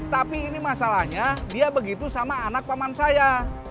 tapi ini masalahnya dia begitu sama anak paman saya